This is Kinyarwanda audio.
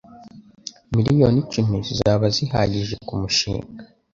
Miliyoni icumi zizaba zihagije kumushinga